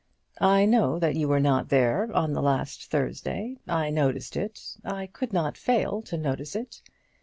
"I know that you were not there on the last Thursday. I noticed it. I could not fail to notice it.